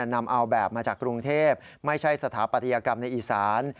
นำเอาแบบมาจากกรุงเทพไม่ใช่สถาปัตยกรรมในอีสาน